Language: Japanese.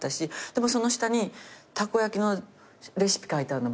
でもその下にたこ焼きのレシピ書いてあるの。